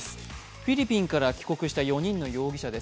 フィリピンから帰国した４人の容疑者です。